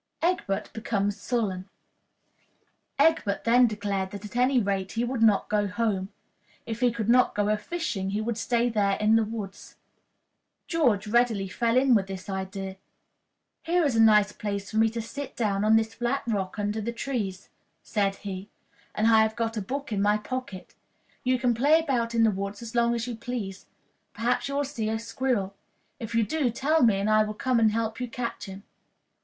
Egbert becomes Sullen. Egbert then declared that, at any rate, he would not go home. If he could not go a fishing he would stay there in the woods. George readily fell in with this idea. "Here is a nice place for me to sit down on this flat rock under the trees," said he, "and I have got a book in my pocket. You can play about in the woods as long as you please. Perhaps you will see a squirrel; if you do, tell me, and I will come and help you catch him."